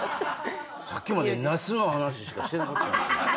さっきまでナスの話しかしてなかった。